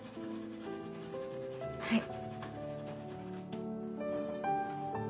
はい。